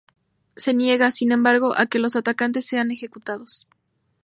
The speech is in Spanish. Se niega, sin embargo, a que los atacantes sean ejecutados.